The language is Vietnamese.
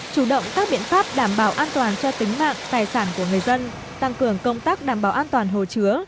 chủ động các biện pháp đảm bảo an toàn cho tính mạng tài sản của người dân tăng cường công tác đảm bảo an toàn hồ chứa